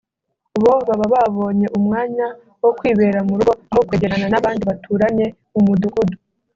bo baba babonye umwanya wo kwibera mu rugo aho kwegerana n’abandi baturanye mu mudugudu